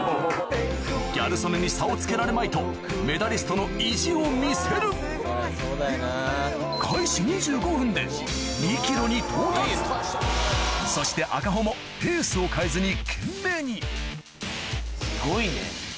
ギャル曽根に差をつけられまいとメダリストの意地を見せるに到達そして赤穂もペースを変えずに懸命にすごいね。